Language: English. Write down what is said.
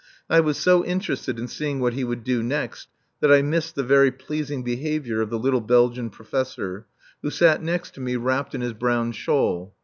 I was so interested in seeing what he would do next that I missed the very pleasing behaviour of the little Belgian professor, who sat next to me, wrapped in his brown shawl.